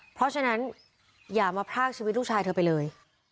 เพราะฉะนั้นอย่ามาพรากชีวิตลูกชายเธอไปเลย